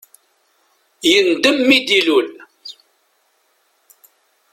Yendem mi d-ilul.